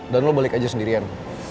dan lo balik aja sendirian